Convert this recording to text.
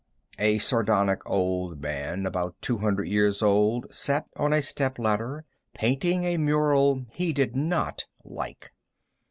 A sardonic old man, about two hundred years old, sat on a stepladder, painting a mural he did not like.